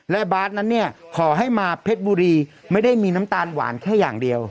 และบาทนั้นเนี่ยขอให้มาเพชรบุรีไม่ได้มีน้ำตาลหวานแค่อย่างเดียว